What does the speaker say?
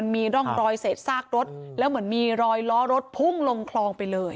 มีร่องรอยเศษซากรถแล้วเหมือนมีรอยล้อรถพุ่งลงคลองไปเลย